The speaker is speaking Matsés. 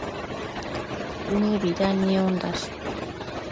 Nëbida niondash